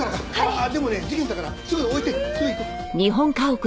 あっでもね事件だからすぐ置いてすぐ行こう。